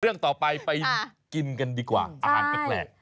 เรื่องต่อไปไปกินกันดีกว่าอาหารแปลก